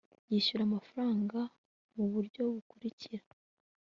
yishura amafaranga mu buryo bukurikira